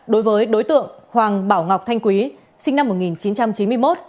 đối với đối tượng hoàng bảo ngọc thanh quý sinh năm một nghìn chín trăm chín mươi một